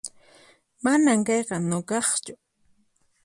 Manan kayqa nuqaqchu